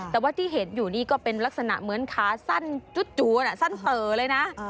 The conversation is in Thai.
แต่ว่าที่เห็นอยู่นี่ก็เป็นลักษณะเหมือนขาสั้นจู่สั้นเต๋อเลยนะ